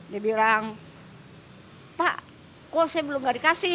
dia bilang pak kok saya belum gak dikasih